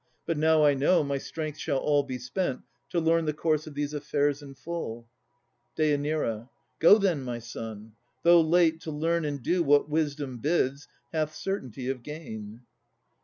But now I know, my strength shall all be spent To learn the course of these affairs in full. DÊ. Go then, my son. Though late, to learn and do What wisdom bids, hath certainty of gain.